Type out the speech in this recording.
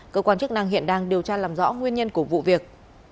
cơ quan chức năng hiện đang điều tra làm rõ nguyên nhân của vụ việc